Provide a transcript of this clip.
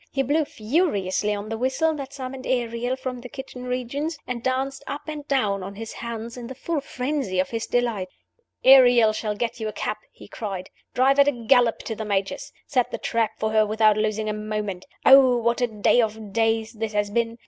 He blew furiously on the whistle that summoned Ariel from the kitchen regions, and danced up and down on his hands in the full frenzy of his delight. "Ariel shall get you a cab!" he cried. "Drive at a gallop to the Major's. Set the trap for her without losing a moment. Oh, what a day of days this has been!